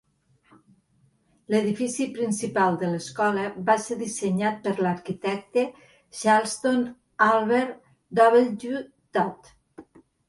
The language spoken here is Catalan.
L'edifici principal de l'escola va ser dissenyat per l'arquitecte Charleston Albert W. Todd.